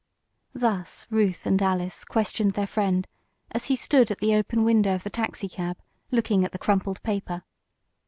Thus Ruth and Alice questioned their friend, as he stood at the open window of the taxicab, looking at the crumpled paper.